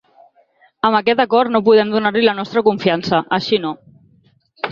Amb aquest acord no podem donar-li la nostra confiança, així no.